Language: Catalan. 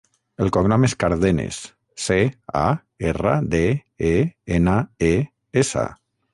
El cognom és Cardenes: ce, a, erra, de, e, ena, e, essa.